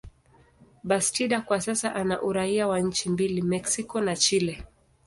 Bastida kwa sasa ana uraia wa nchi mbili, Mexico na Chile.